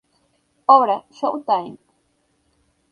Obra: Show Time.